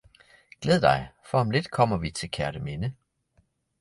Glæd dig for om lidt kommer vi til Kerteminde